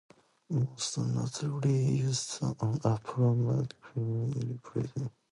Most notably used on the Apple Macintosh to represent individual applications and file types.